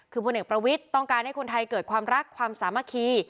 คือพลเอกประวิทย์ต้องการให้คนไทยเกิดความรักความสามัคคี